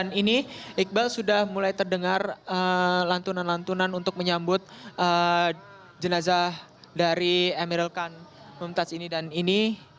dan ini iqbal sudah mulai terdengar lantunan lantunan untuk menyambut jenazah dari emeril khan membatas ini dan ini